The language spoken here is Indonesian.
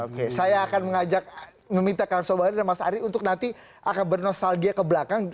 oke saya akan mengajak meminta kang sobari dan mas ari untuk nanti akan bernostalgia ke belakang